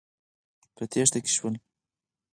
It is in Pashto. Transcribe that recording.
په تېښته کې شول.